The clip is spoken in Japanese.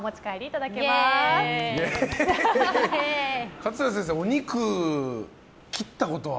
桂先生、お肉切ったことは？